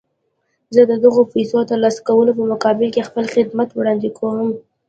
زه د دغو پيسو د ترلاسه کولو په مقابل کې خپل خدمات وړاندې کوم.